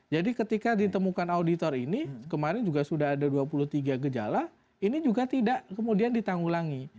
jadi ketika ditemukan auditor ini kemarin juga sudah ada dua puluh tiga gejala ini juga tidak kemudian ditanggulangi